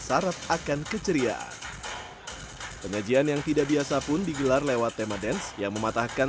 syarat akan keceriaan penyajian yang tidak biasa pun digelar lewat tema dance yang mematahkan